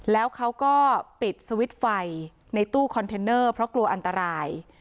แล้วเขาก็ปิดสวิตช์ไฟในตู้คอนเทนเนอร์เพราะกลัวอันตราย